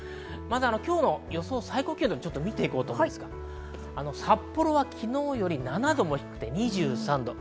今日の予想最高見て行こうと思うんですが札幌は昨日より７度も低い２３度。